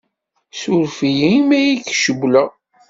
Ssuref-iyi imi ay k-cewwleɣ.